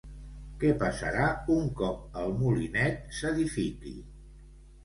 Què passarà un cop el molinet s'edifiqui?